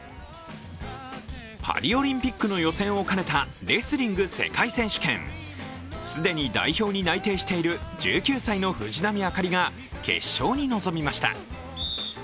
パリオリンピックの予選を兼ねたレスリング世界選手権。既に代表に内定している１９歳の藤波朱理が決勝に臨みました。